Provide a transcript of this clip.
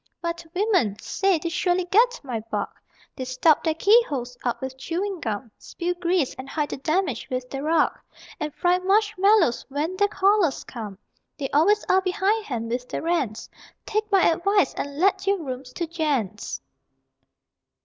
But women! Say, they surely get my bug! They stop their keyholes up with chewing gum, Spill grease, and hide the damage with the rug, And fry marshmallows when their callers come. They always are behindhand with their rents Take my advice and let your rooms to gents!